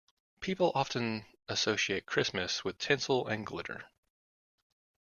People often associate Christmas with tinsel and glitter.